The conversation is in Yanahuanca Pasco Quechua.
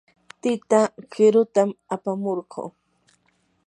tita qirutam apamurquu.